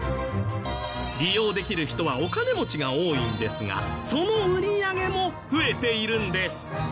利用できる人はお金持ちが多いんですがその売り上げも増えているんです。